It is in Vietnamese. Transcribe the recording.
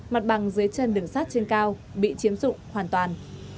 mặt bằng dưới chân đường sắt trên cao bị chiếm dụng hoàn toàn